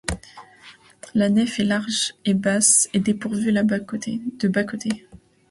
La nef est large et basse, et dépourvue de bas-côtés.